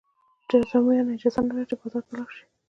جذامیانو اجازه نه لرله چې بازار ته لاړ شي.